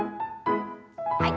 はい。